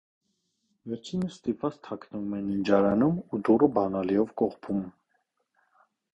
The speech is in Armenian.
Վերջինս ստիպված թաքնվում է ննջարանում ու դուռը բանալիով կողպում։